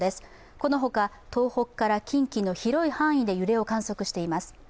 このほか、東北から近畿の広い範囲で揺れを観測しています。